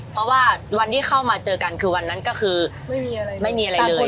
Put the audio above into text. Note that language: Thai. เพราะว่าวันที่เข้ามาเจอกันคือวันนั้นก็คือไม่มีอะไรเลย